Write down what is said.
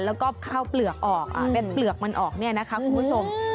แล้วก็ข้าวเปลือกออกเป็นเปลือกมันออกเนี่ยนะคะคุณผู้ชม